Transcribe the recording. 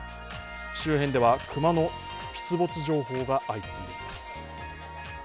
周辺では熊の出没情報が相次いでいます。